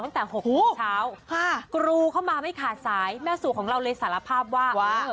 ตั้งแต่๖โมงเช้ากรูเข้ามาไม่ขาดสายแม่สู่ของเราเลยสารภาพว่า